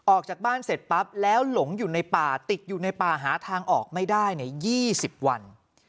ออกจากบ้านเสร็จปั๊บแล้วหลงอยู่ในป่าติดอยู่ในป่าหาทางออกไม่ได้๒๐วัน